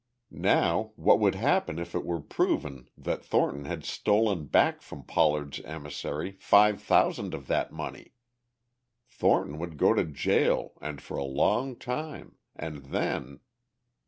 Now, what would happen if it were proven that Thornton had stolen back from Pollard's emissary five thousand of that money? Thornton would go to jail and for a long time, and then....